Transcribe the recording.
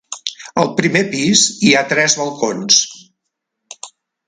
Al primer pis hi ha tres balcons.